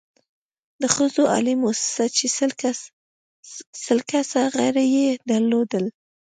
د ښځو عالي مؤسسه چې شل کسه غړې يې درلودل،